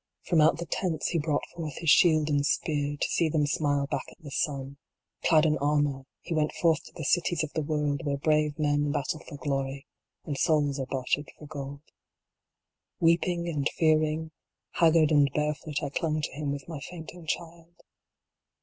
59 From out the tents he brought forth his shield and spear, to see them smile back at the sun ; Clad in armor, he went forth to the cities of the world, where brave men battle for glory, and souls are bar tered for gold. Weeping and fearing, haggard and barefoot, I clung to him with my fainting child.